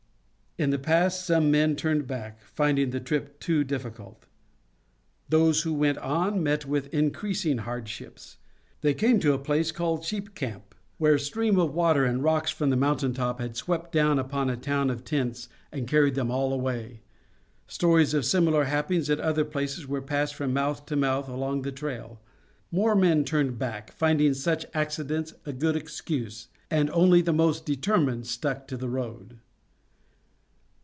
In the Pass some men turned back, finding the trip too difficult. Those who went on met with increasing hardships. They came to a place called Sheep Camp, where a stream of water and rocks from the mountain top had swept down upon a town of tents and carried them all away. Stories of similar happenings at other places were passed from mouth to mouth along the trail. More men turned back, finding such accidents a good excuse, and only the most determined stuck to the road.